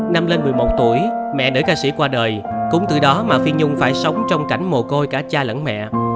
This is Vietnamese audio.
năm lên một mươi một tuổi mẹ đỡ ca sĩ qua đời cũng từ đó mà phi nhung phải sống trong cảnh mồ côi cả cha lẫn mẹ